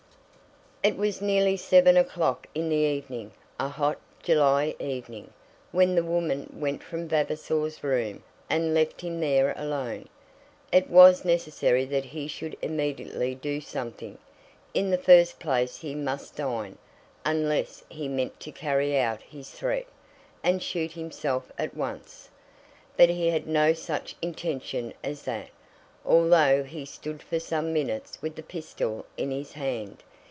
It was nearly seven o'clock in the evening, a hot, July evening, when the woman went from Vavasor's room, and left him there alone. It was necessary that he should immediately do something. In the first place he must dine, unless he meant to carry out his threat, and shoot himself at once. But he had no such intention as that, although he stood for some minutes with the pistol in his hand.